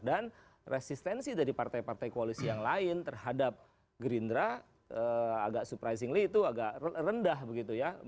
dan resistensi dari partai partai koalisi yang lain terhadap gerindra agak surprisingly itu agak rendah begitu ya